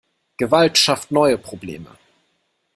Gewalt schafft neue Probleme.